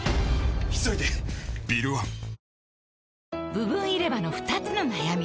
部分入れ歯の２つの悩み